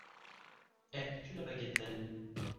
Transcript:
Aimes-tu la bagatelle ?